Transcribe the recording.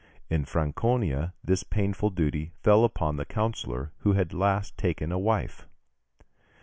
In Franconia, this painful duty fell upon the councillor who had last taken a wife.